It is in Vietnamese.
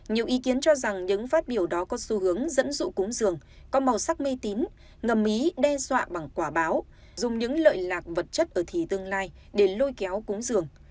nhiều ý kiến cho rằng những phát biểu đó có xu hướng dẫn dụ cúng giường có màu sắc mê tín ngầm mỹ đe dọa bằng quả báo dùng những lợi lạc vật chất ở thì tương lai để lôi kéo cúng dường